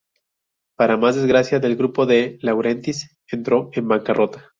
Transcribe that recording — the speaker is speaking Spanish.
Para más desgracia el Grupo De Laurentiis entró en bancarrota.